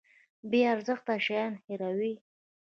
بې ارزښته شیان هیروي.